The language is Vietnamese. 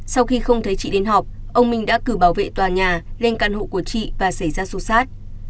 sau khi không thấy chị đến họp ông minh đã cử bảo vệ tòa nhà lên căn hộ của chị và xảy ra sô sát